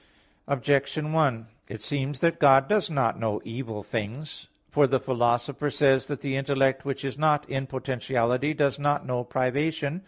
Objection 1: It seems that God does not know evil things. For the Philosopher (De Anima iii) says that the intellect which is not in potentiality does not know privation.